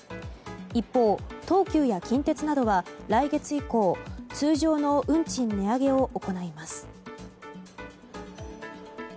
一方、東急や近鉄などは来月以降通常の運賃値上げを行います。